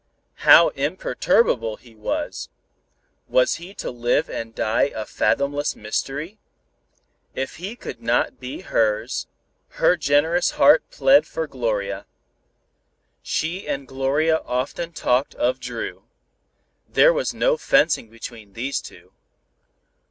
How imperturbable he was! Was he to live and die a fathomless mystery? If he could not be hers, her generous heart plead for Gloria. She and Gloria often talked of Dru. There was no fencing between these two.